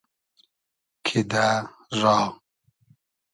کیدۂ را